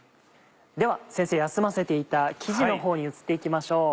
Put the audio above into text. では先生休ませていた生地のほうに移って行きましょう。